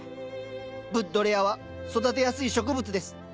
ブッドレアは育てやすい植物です。